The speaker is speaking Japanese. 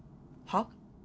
はっ？